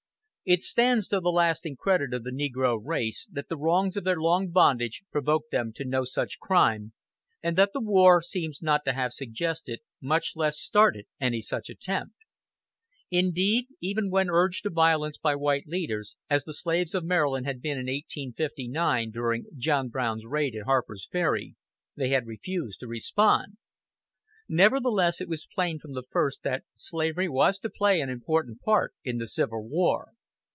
It stands to the lasting credit of the negro race that the wrongs of their long bondage provoked them to no such crime, and that the war seems not to have suggested, much less started any such attempt. Indeed, even when urged to violence by white leaders, as the slaves of Maryland had been in 1859 during John Brown's raid at Harper's Ferry, they had refused to respond. Nevertheless it was plain from the first that slavery was to play an important part in the Civil War.